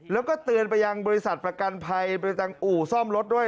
แล้วก็เตือนไปยังบริษัทประกันภัยไปทางอู่ซ่อมรถด้วย